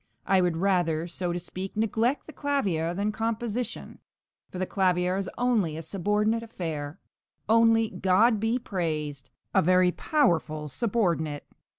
I would rather (so to speak) neglect the clavier than composition; for the clavier is only a subordinate affair; only, God be praised! a very powerful subordinate.